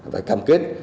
và cam kết